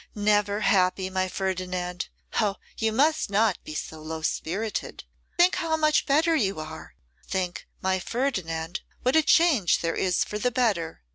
'Never happy, my Ferdinand! Oh! you must not be so low spirited. Think how much better you are; think, my Ferdinand, what a change there is for the better.